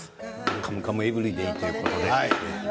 カムカムエブリデイということで。